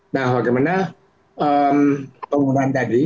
nah bagaimana penggunaan tadi